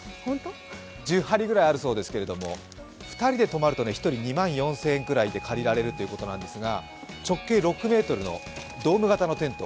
１０張りぐらいあるそうですけど、２人で泊まると一人２万４０００円ぐらいで借りられるということですが、直径６ｍのドーム型のテント。